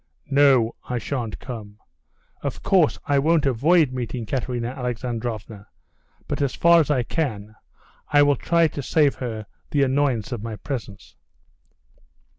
"No, I shan't come. Of course I won't avoid meeting Katerina Alexandrovna, but as far as I can, I will try to save her the annoyance of my presence."